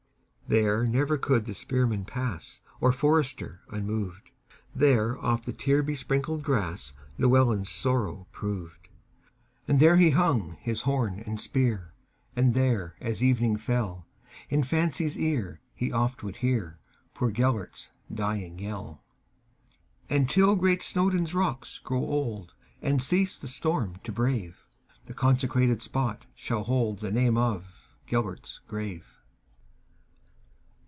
There never could the spearman pass, Or forester, unmoved; There oft the tear besprinkled grassLlewelyn's sorrow proved. And there he hung his horn and spear, And there, as evening fell, In fancy's ear he oft would hearPoor Gêlert's dying yell. And, till great Snowdon's rocks grow old, And cease the storm to brave, The consecrated spot shall holdThe name of "Gêlert's Grave."